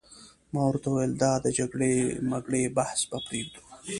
ما ورته وویل: دا د جګړې مګړې بحث به پرېږدو.